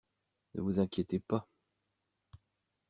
Ne vous inquiétez pas!